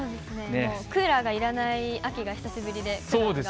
クーラーがいらない秋が久しぶりで。